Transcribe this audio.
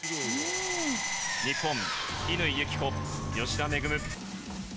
日本、乾友紀子、吉田萌。